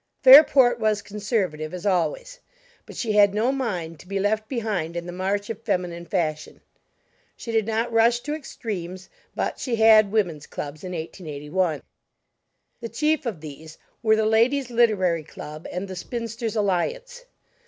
Fairport was conservative, as always, but she had no mind to be left behind in the march of feminine fashion. She did not rush to extremes, but she had women's clubs in 1881. The chief of these were the Ladies' Literary Club and the Spinsters' Alliance.